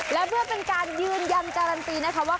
และเพื่อเป็นการยืนยันการันตีนะคะว่า